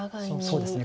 そうですね